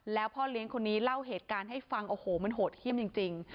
แล้วพ่อเลี้ยงคนนี้เล่าเหตุการณ์ให้ฟังโอ้โหมันโหดเยี่ยมจริง